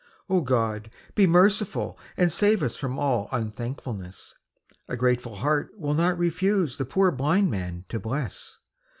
. Oh, God, be merciful and save Us from all un thank fulness ! A grateful heart will not refuse The poor blind man to bless.